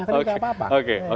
tapi tidak apa apa